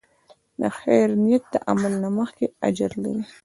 د خیر نیت د عمل نه مخکې اجر لري.